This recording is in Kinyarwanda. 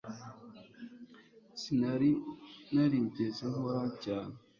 Sinari narigeze nkora cyane